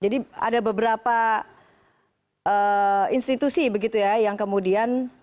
jadi ada beberapa institusi begitu ya yang kemudian